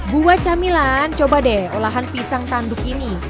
buah camilan coba deh olahan pisang tanduk ini